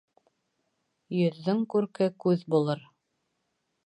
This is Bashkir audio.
Йөҙҙөң күрке күҙ булыр.